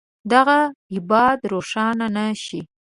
دغه ابعاد روښانه نه شي.